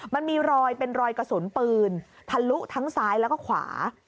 มันมีรอยเป็นรอยกระสุนปืนทะลุทั้งซ้ายแล้วก็ขวา